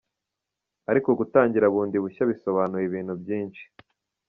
Ariko gutangira bundi bushya bisobanuye ibintu byinshi.”